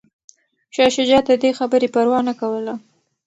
شاه شجاع د دې خبرې پروا نه کوله.